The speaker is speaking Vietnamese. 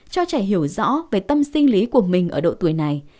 cho trẻ hiểu rõ về tâm sinh lý của mình ở độ tuổi này